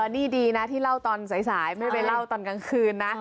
นี่ดีนะที่เล่าตอนสายไม่ไปเล่าตอนกลางคืนนะ